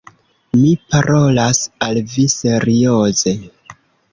Mi parolas al vi serioze.